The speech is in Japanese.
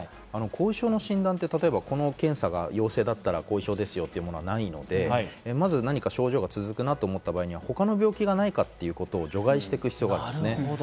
後遺症の診断ってこの検査が陽性だったら後遺症ですよというのはないので、何か症状が続くなと思った場合、他の病気がないかということを除外していく必要があります。